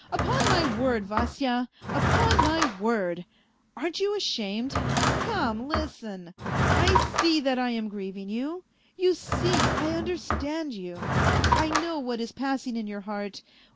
" Upon my word, Vasya, upon my word ! Aren't you ashamed ? Come, listen ! I see that I am grieving you. You see I understand you ; I know what is passing in your heart.